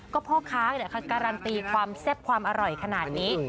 ก็พ่อค้าการันตีความแซ่บความอร่อยขนาดนี้